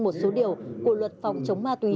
một số điều của luật phòng chống ma túy